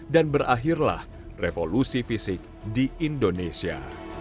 dan berakhirlah revolusi fisik di indonesia